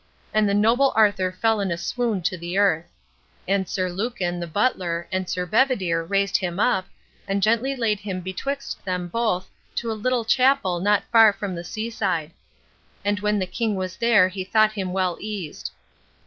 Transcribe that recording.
And the noble Arthur fell in a swoon to the earth. And Sir Lucan, the butler, and Sir Bedivere raised him up, and gently led him betwixt them both to a little chapel not far from the sea side. And when the king was there he thought him well eased.